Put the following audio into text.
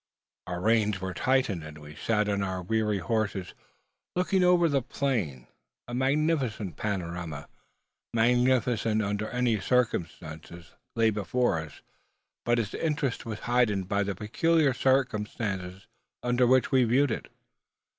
Our reins were tightened, and we sat on our weary horses looking over the plain. A magnificent panorama, magnificent under any circumstances, lay before us; but its interest was heightened by the peculiar circumstances under which we viewed it.